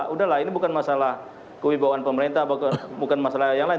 udah lah ini bukan masalah kewibawaan pemerintah bukan masalah yang lain